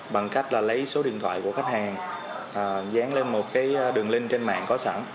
bằng cách là lấy số điện thoại của khách hàng dán lên một cái đường link trên mạng có sẵn